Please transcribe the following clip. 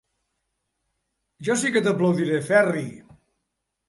Jo sí que t'aplaudiré, Ferri.